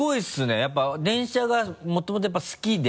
やっぱ電車がもともと好きで。